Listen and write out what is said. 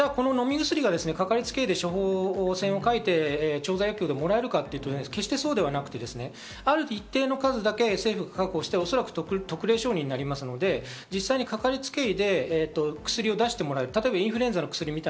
飲み薬がかかりつけ医で処方せんを書いて調剤薬局でもらえるかというと、決してそうではなくて、ある一定の数だけ政府が確保して特例承認におそらくなりますので実際かかりつけ医で薬を出してもらえる。